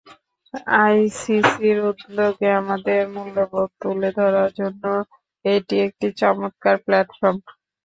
আইসিসির উদ্যোগে আমাদের মূল্যবোধ তুলে ধরার জন্য এটি একটি চমৎকার প্ল্যাটফর্ম।